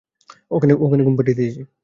ওখানে ঘুম পাড়িয়ে দিয়েছি।